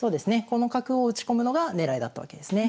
この角を打ち込むのが狙いだったわけですね。